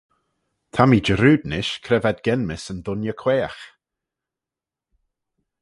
Ta mee jarrood nish cre v'ad genmys yn dooinney quaagh.